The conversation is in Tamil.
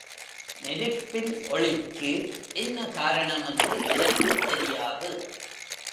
நெருப்பின் ஒளிக்கு என்ன காரணம் என்று எனக்குத் தெரியாது.